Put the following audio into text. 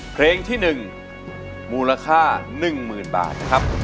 เพลงที่๑มูลค่า๑๐๐๐บาทนะครับ